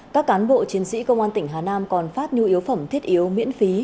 các cán bộ chiến sĩ công an tỉnh hà nam còn phát nhu yếu phẩm thiết yếu miễn phí